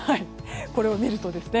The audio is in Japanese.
これを見るとですね。